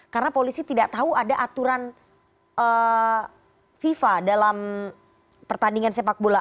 karena polisi tidak tahu ada aturan fifa dalam pertandingan sepak bola